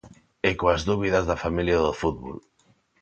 E coas dúbidas da familia do fútbol.